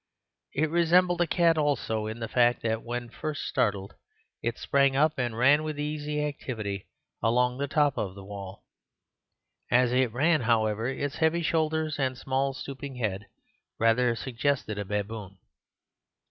It resembled a cat also in the fact that when first startled it sprang up and ran with easy activity along the top of the wall. As it ran, however, its heavy shoulders and small stooping head rather suggested a baboon.